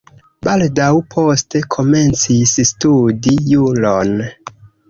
Baldaŭ poste komencis studi juron.